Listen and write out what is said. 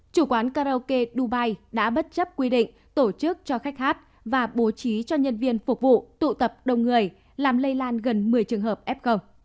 chủ quán karaoke dubai đã bất chấp quy định tổ chức cho khách hát và bố trí cho nhân viên phục vụ tụ tập đông người làm lây lan gần một mươi trường hợp f